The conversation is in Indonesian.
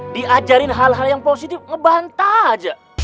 diajarin hal hal yang positif ngebantah aja